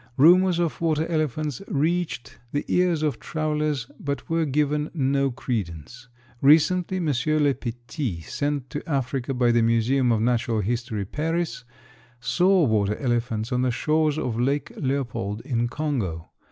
Rumors of water elephants reached the ears of travelers but were given no credence. Recently M. Le Petit, sent to Africa by the Museum of Natural History, Paris, saw water elephants on the shores of Lake Leopold in Congo.